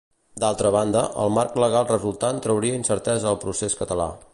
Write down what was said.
D'altra banda, el marc legal resultant trauria incertesa al procés català.